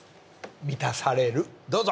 『満たされる』どうぞ。